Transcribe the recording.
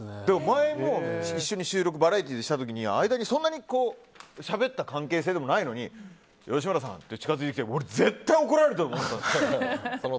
前も一緒にバラエティーで収録した時にそんなにしゃべった関係性でもないのに吉村さんって近づいてきて俺、絶対怒られると思ったの。